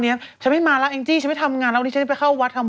อีกปีหนึ่งรถยนต์มันไว้มีอะไรได้ป้า